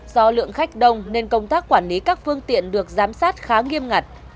do lượng khách đông nên công tác quản lý các phương tiện được giám sát khá nghiêm ngặt